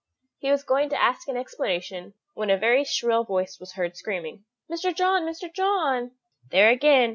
He was going to ask an explanation, when a very shrill voice was heard screaming, "Mr. John, Mr. John!" "There again!"